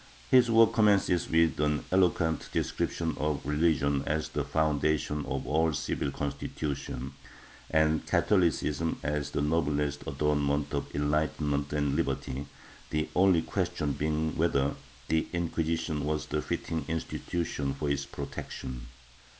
His work commences with an eloquent description of religion as the foundation of all civil constitutions and Catholicism as the noblest adornment of enlightenment and liberty, the only question being whether the Inquisition is the fitting institution for its protection.